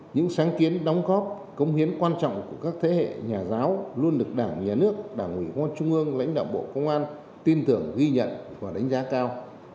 những sáng kiến đóng góp công hiến quan trọng của các thế hệ nhà giáo luôn được đảng nhà nước đảng ủy quan trung ương lãnh đạo bộ công an tin tưởng ghi nhận và đánh giá cao